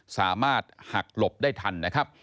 สามารถหักหลบได้ทันนะครับ